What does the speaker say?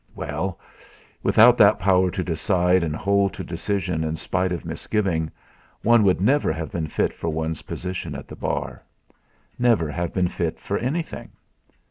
Well! Without that power to decide and hold to decision in spite of misgiving, one would never have been fit for one's position at the Bar, never have been fit for anything.